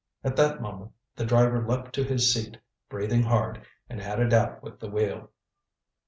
At that moment the driver leaped to his seat, breathing hard, and had it out with the wheel.